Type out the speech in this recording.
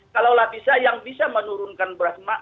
kalau lah bisa yang bisa menurunkan beras